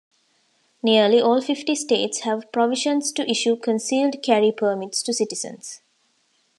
Nearly all fifty States have provisions to issue concealed carry permits to citizens.